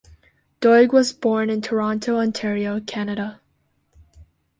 Doig was born in Toronto, Ontario, Canada.